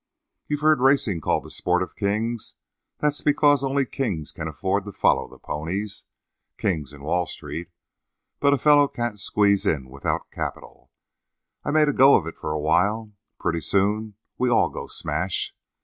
"You've heard racing called the sport of kings? That's because only kings can afford to follow the ponies. Kings and Wall Street. But a fellow can't squeeze in without capital. I've made a go of it for a while; pretty soon we all go smash.